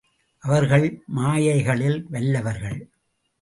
அவர்கள் மாயைகளில் வல்லவர்கள்.